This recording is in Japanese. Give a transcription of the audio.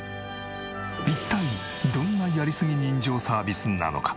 一体どんなやりすぎ人情サービスなのか？